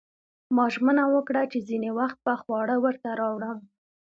ما ژمنه وکړه چې ځینې وخت به خواړه ورته راوړم